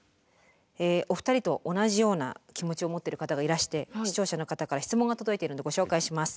お二人と同じような気持ちを持ってる方がいらして視聴者の方から質問が届いているんでご紹介します。